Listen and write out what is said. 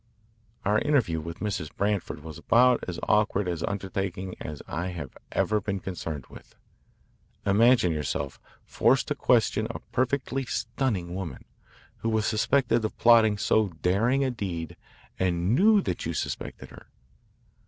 Our interview with Mrs. Branford was about as awkward an undertaking as I have ever been concerned with. Imagine yourself forced to question a perfectly stunning woman, who was suspected of plotting so daring a deed and knew that you suspected her.